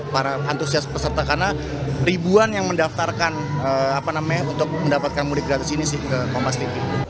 para antusias peserta karena ribuan yang mendaftarkan apa namanya untuk mendapatkan mudik gratis ini sih ke kompas lipi